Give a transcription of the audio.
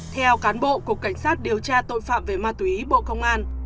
theo cán bộ cục cảnh sát điều tra tội phạm về ma túy bộ công an